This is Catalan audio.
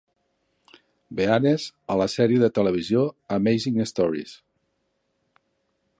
Beanes a la sèrie de televisió "Amazing Stories".